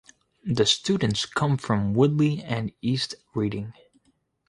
The students come from Woodley and East Reading.